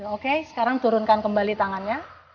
oke sekarang turunkan kembali tangannya